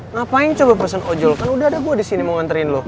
ngapain coba person ojol kan udah ada gue di sini mau nganterin lo